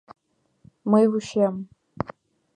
Мый вучем.